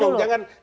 berikan waktu dulu